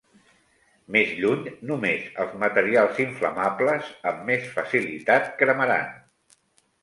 Més lluny, només els materials inflamables amb més facilitat cremaran.